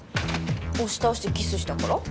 押し倒してキスしたから？